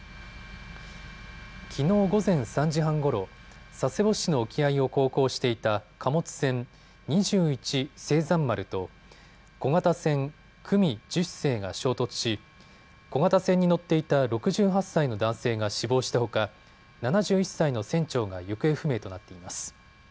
きのう午前３時半ごろ、佐世保市の沖合を航行していた貨物船、２１盛山丸と小型船、久美Ｘ世が衝突し、小型船に乗っていた６８歳の男性が死亡したほか、７１歳の船長が行方不明となっています。